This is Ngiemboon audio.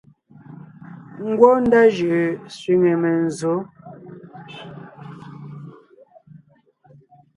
Ngwɔ́ ndá jʉʼʉ sẅiŋe menzsǒ.